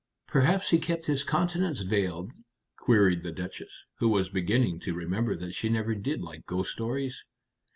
"Perhaps he kept his countenance veiled?" queried the Duchess, who was beginning to remember that she never did like ghost stories.